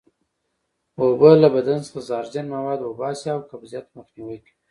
اوبه له بدن څخه زهرجن مواد وباسي او قبضیت مخنیوی کوي